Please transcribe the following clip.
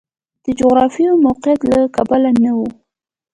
د جغرافیوي موقعیت له کبله نه و.